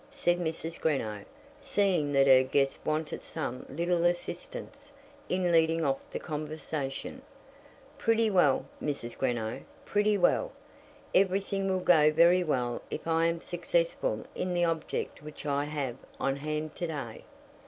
said Mrs. Greenow, seeing that her guest wanted some little assistance in leading off the conversation. "Pretty well, Mrs. Greenow; pretty well. Everything will go very well if I am successful in the object which I have on hand to day."